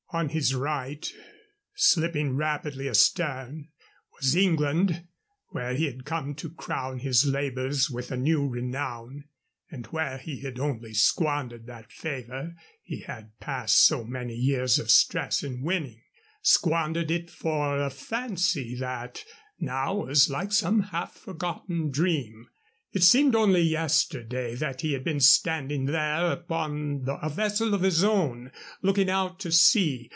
On his right, slipping rapidly astern, was England, where he had come to crown his labors with a new renown, and where he had only squandered that favor he had passed so many years of stress in winning squandered it for a fancy that now was like some half forgotten dream. It seemed only yesterday that he had been standing there upon a vessel of his own, looking out to sea.